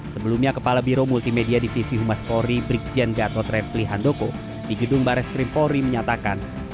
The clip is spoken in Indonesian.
sebelumnya kepala biro multimedia divisi humas polri brikjen gatot repli handoko di gedung bares krim polri menyatakan